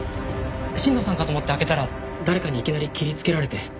新藤さんかと思って開けたら誰かにいきなり切りつけられて。